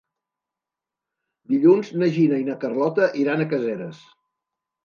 Dilluns na Gina i na Carlota iran a Caseres.